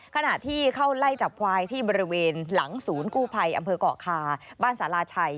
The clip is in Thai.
ขณะที่เข้าไล่จับควายที่บริเวณหลังศูนย์กู้ภัยอำเภอกเกาะคาบ้านศาลาชัย